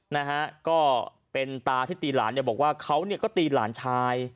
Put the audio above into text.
นะฮะก็เป็นตาที่ตีหลานเนี่ยบอกว่าเขาเนี่ยก็ตีหลานชาย